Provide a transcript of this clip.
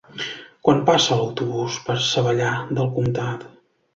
Quan passa l'autobús per Savallà del Comtat?